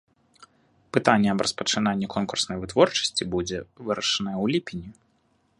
Пытанне аб распачынанні конкурснай вытворчасці будзе вырашанае ў ліпені.